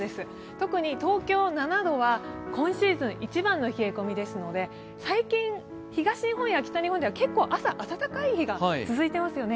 特に東京、７度は今シーズン一番の冷え込みですので最近、東日本や北日本では結構朝、暖かい日が続いてますよね。